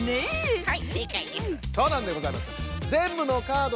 はい。